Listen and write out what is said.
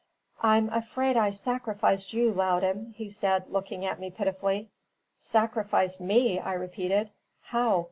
"I'm afraid I sacrificed you, Loudon," he said, looking at me pitifully. "Sacrificed me?" I repeated. "How?